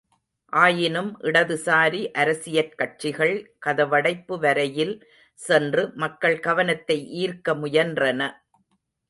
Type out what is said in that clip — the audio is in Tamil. ஆயினும் இடதுசாரி அரசியற் கட்சிகள் கதவடைப்பு வரையில் சென்று மக்கள் கவனத்தை ஈர்க்க முயன்றன.